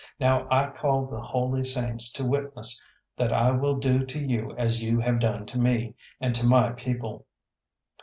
Now I call the holy saints to witness that I will do to you as you have done to me, and to my people.